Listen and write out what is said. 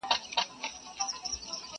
شین سهار وو د مخلوق جوپې راتللې؛